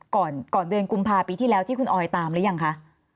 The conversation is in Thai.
ก่อนเดือนกุมภาปีที่แล้วที่คุณออยตามหรือยังคะ